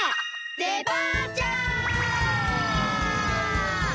デパーチャー！